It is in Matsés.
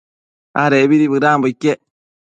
Adecbidi bëdanbo iquec